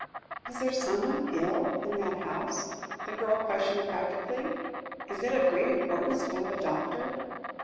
"Is there someone ill in that house?" the girl questioned practically; "is it of great importance to have a doctor?"